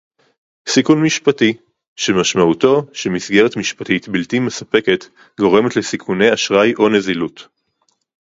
סיכון משפטי - שמשמעותו שמסגרת משפטית בלתי מספקת גורמת לסיכוני אשראי או נזילות